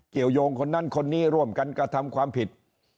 โยงคนนั้นคนนี้ร่วมกันกระทำความผิด